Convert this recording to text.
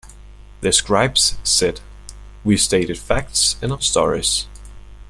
The scribes said: We stated facts in our stories.